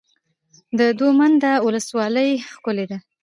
د دوه منده ولسوالۍ ښکلې ده